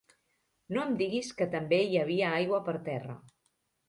No em diguis que també hi havia aigua per terra.